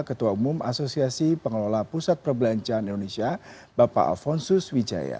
ketua umum asosiasi pengelola pusat perbelanjaan indonesia bapak alfonsus wijaya